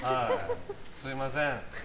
すみません。